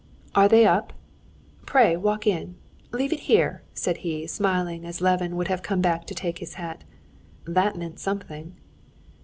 "Are they up?" "Pray walk in! Leave it here," said he, smiling, as Levin would have come back to take his hat. That meant something.